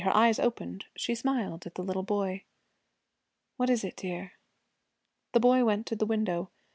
Her eyes opened. She smiled at the little boy. 'What is it, dear?' The boy went to the window.